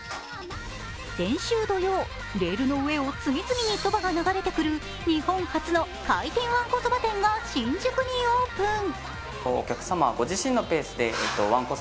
先週土曜、レールの上を次々にそばが流れてくる日本初の回転わんこそば店が新宿にオープン。